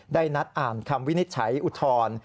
ได้นัดอ่านคำวินิจฉัยอุทธรณ์